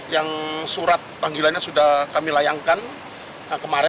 yang surat panggilannya sudah kami layankan kemarin